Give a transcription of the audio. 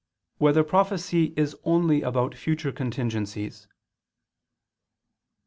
3] Whether Prophecy Is Only About Future Contingencies?